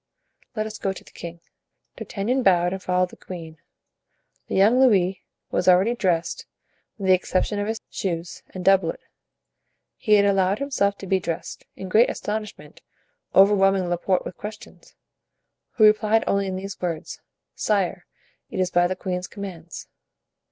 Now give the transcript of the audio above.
"Let us go to the king." D'Artagnan bowed and followed the queen. The young Louis was already dressed, with the exception of his shoes and doublet; he had allowed himself to be dressed, in great astonishment, overwhelming Laporte with questions, who replied only in these words, "Sire, it is by the queen's commands."